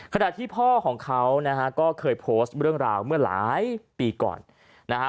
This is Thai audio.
ขณะที่พ่อของเขานะฮะก็เคยโพสต์เรื่องราวเมื่อหลายปีก่อนนะฮะ